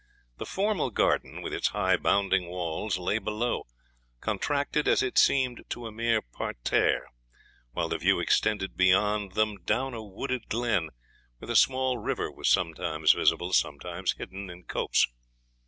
The formal garden, with its high bounding walls, lay below, contracted, as it seemed, to a mere parterre; while the view extended beyond them down a wooded glen, where the small river was sometimes visible, sometimes hidden in copse.